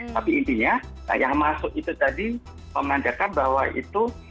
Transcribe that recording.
tapi intinya yang masuk itu tadi menandakan bahwa itu